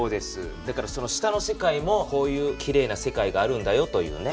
だから下の世界もこういうきれいな世界があるんだよというね。